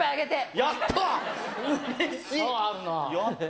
やった。